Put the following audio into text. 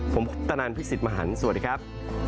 ผมตนันพิศิษฐ์มหันต์สวัสดีครับ